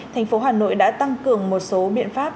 thành phố hà nội đã tăng cường một số biện pháp